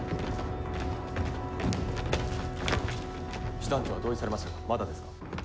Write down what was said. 師団長は同意されましたかまだですか。